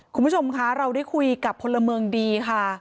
คุณผู้ชมคะเราได้คุยกับพลเมืองดีค่ะ